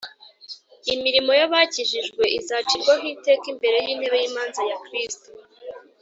Imirimo y'abakijijwe izacirwaho iteka imbere y'intebe y'imanza ya Kristo